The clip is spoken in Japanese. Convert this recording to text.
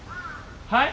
はい？